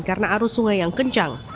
karena arus sungai yang kencang